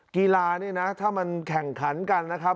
กีฬานี่นะถ้ามันแข่งขันกันนะครับ